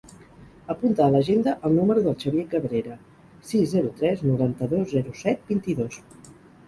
Apunta a l'agenda el número del Xavier Cabrera: sis, zero, tres, noranta-dos, zero, set, vint-i-dos.